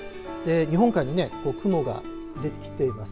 日本海に雲が出てきています。